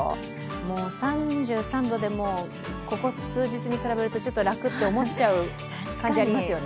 もう３３度でもう、ここ数日に比べるとちょっと楽って思っちゃう感じ、ありますよね。